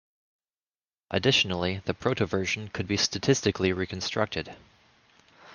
Additionally, the protoversion could be statistically reconstructed.